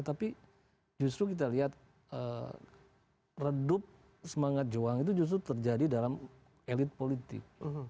tapi justru kita lihat redup semangat juang itu justru terjadi dalam elit politik